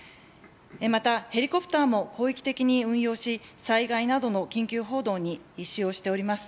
また、ヘリコプターも広域的に運用し、災害などの緊急報道に使用しております。